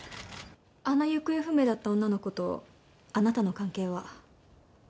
あの行方不明だった女の子とあなたの関係は？